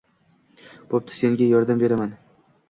Boʻpti, senga yordam beraman